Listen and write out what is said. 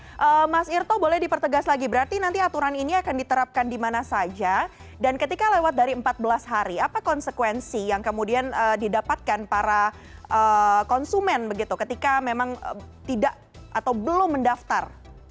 oke mas irto boleh dipertegas lagi berarti nanti aturan ini akan diterapkan di mana saja dan ketika lewat dari empat belas hari apa konsekuensi yang kemudian didapatkan para konsumen begitu ketika memang tidak atau belum mendaftar